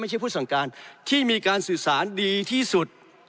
ผู้สั่งการที่มีการสื่อสารดีที่สุด